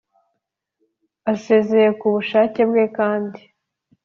Asezeye ku bushake bwe kandi